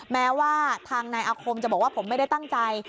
แม้ว่าทางนายอาคมจะบอกว่าผมไม่ได้ตั้งใจ